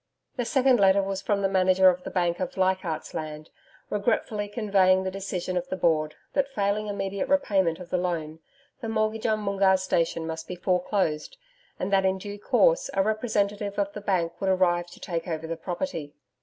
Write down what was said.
The second letter was from the Manager of the Bank of Leichardt's Land, regretfully conveying the decision of the Board that, failing immediate repayment of the loan, the mortgage on Moongarr station must be foreclosed and that in due course a representative of the Bank would arrive to take over the property.